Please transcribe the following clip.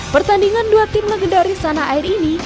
pertandingan dua tim legendaris tanah air ini